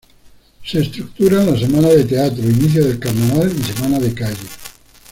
Se estructura en la semana de teatro, inicio del carnaval, y semana de calle.